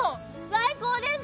最高です！